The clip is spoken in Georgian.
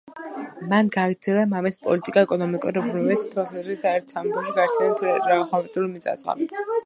მან გააგრძელა მამის პოლიტიკა ეკონომიკური რეფორმების თვალსაზრისით და ერთ სამეფოში გააერთიანა მთელ ხორვატული მიწა-წყალი.